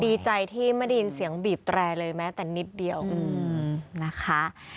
ดีใจที่ไม่ได้ยินเสียงบีบแตรเลยแม้แต่นิดเดียวนะคะ